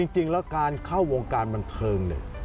จริงแล้วการเข้าวงการบันเทิงเนี่ย